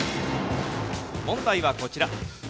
問題はこちら。